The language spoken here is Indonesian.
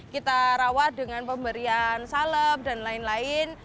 kita rawat dengan pemberian salep dan lain lain